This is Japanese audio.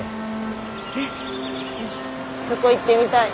えっそこ行ってみたい。